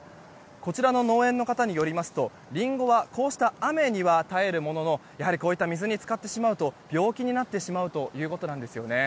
こちらの農園の方によりますとリンゴはこうした雨には耐えるもののやはり水に浸かってしまうと病気になってしまうということなんです。